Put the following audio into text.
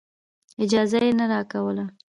اجازه یې نه راکوله.